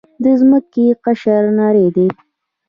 د ځمکې قشر نری دی.